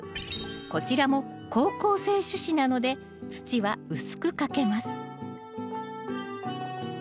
こちらも好光性種子なので土は薄くかけます